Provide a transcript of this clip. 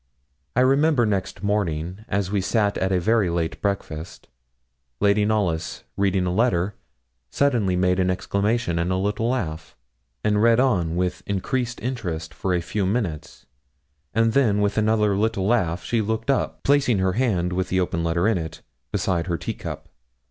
I remember, next morning, as we sat at a very late breakfast, Lady Knollys, reading a letter, suddenly made an exclamation and a little laugh, and read on with increased interest for a few minutes, and then, with another little laugh, she looked up, placing her hand, with the open letter in it, beside her tea cup.